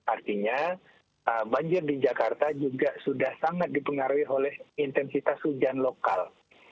artinya banjir di jakarta juga sudah sangat dipengaruhi oleh intensitas hujan lokal